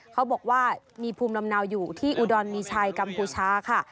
เขาบอกว่ามีภูมิลำเนาอยู่ที่อุดรมีชัยกัมพูชาค่ะ